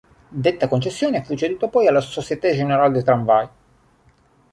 Detta concessione fu ceduta poi alla Société Générale des Tramways.